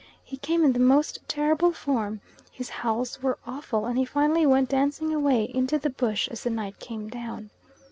He came in the most terrible form, his howls were awful, and he finally went dancing away into the bush as the night came down.